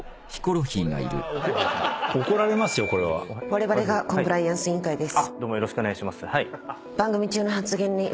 われわれがコンプライアンス委員会です。